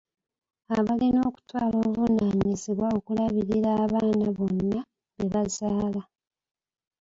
Abalina okutwala obuvunaanyizibwa okulabirira abaana bonna be bazaala.